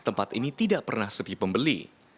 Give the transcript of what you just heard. tempat ini tidak pernah sepi pembeli